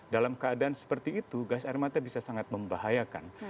dalam keadaan seperti itu gas air mata bisa sangat membahayakan